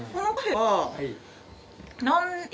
はい。